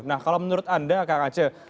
nah kalau menurut anda kang aceh